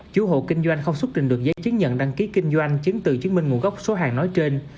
chủ hộ kinh doanh không xuất trình được giấy chứng nhận đăng ký kinh doanh chứng từ chứng minh nguồn gốc số hàng nói trên